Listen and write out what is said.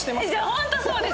ホントそうです。